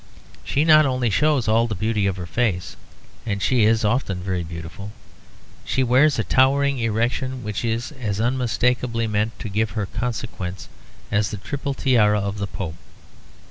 She not only shows all the beauty of her face; and she is often very beautiful. She also wears a towering erection which is as unmistakably meant to give her consequence as the triple tiara of the Pope.